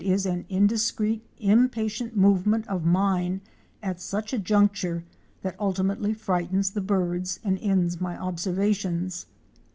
is' an indiscreet, impatient movement of mine at such a juncture that ultimately frightens the birds and ends my observations.